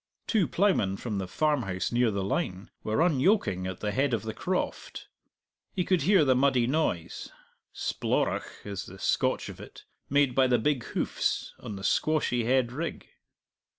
Two ploughmen from the farmhouse near the line were unyoking at the end of the croft; he could hear the muddy noise ("splorroch" is the Scotch of it) made by the big hoofs on the squashy head rig.